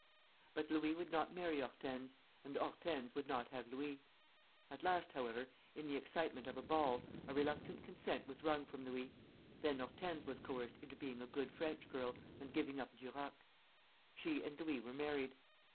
But Louis would not marry Hortense, and Hortense would not have Louis. At last, however, in the excitement of a ball, a reluctant consent was wrung from Louis; then Hortense was coerced into being a good French girl, and giving up Duroc. She and Louis were married.